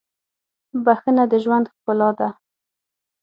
• بښنه د ژوند ښکلا ده.